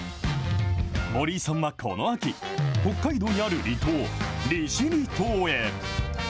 森井さんはこの秋、北海道にある離島、利尻島へ。